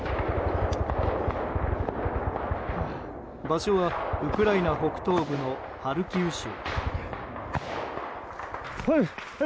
場所はウクライナ北東部のハルキウ州。